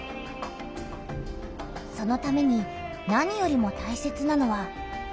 そのために何よりもたいせつなのは水だった。